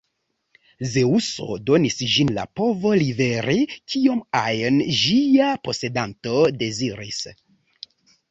Zeŭso donis ĝin la povo liveri kiom ajn ĝia posedanto deziris.